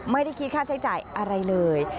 ไม่ได้คิดค่าใช้จ่ายอะไรเลย